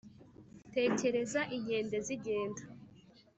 tekereza inkende zigenda